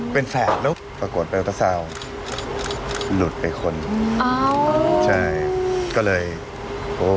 เป็นแฟนนี่ประโกนแพนรุดไปคนอ้าวใช่ก็เลยโอ้